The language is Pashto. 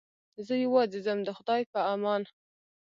زه یوازې ځم د خدای په امان.